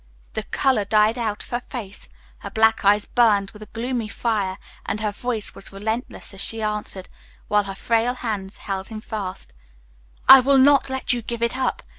The color died out of her face, her black eyes burned with a gloomy fire, and her voice was relentless as she answered, while her frail hands held him fast, "I will not let you give it up.